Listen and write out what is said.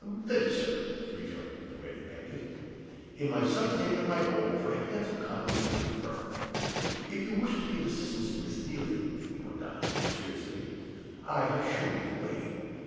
"Thank you, sir," rejoined the ready Pedgift, "in my son's name and my own, for a handsome compliment to the firm. If you really wish to be of assistance to Miss Neelie," he went on, more seriously, "I have shown you the way.